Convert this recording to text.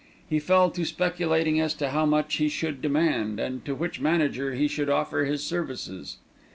He fell to speculating as to how much he should demand, and to which manager he should offer his services.